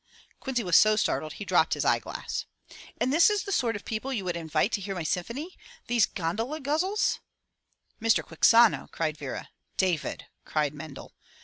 '' Quincy was so startled he dropped his eye glass. ''And this is the sort of people you would invite to hear my symphony — these gondola guzzlers !*' "Mr. Quixano!'' cried Vera. "David!'' cried Mendel.